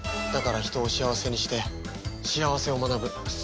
だから人を幸せにして幸せを学ぶ。